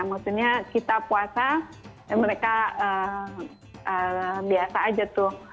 maksudnya kita puasa mereka biasa aja tuh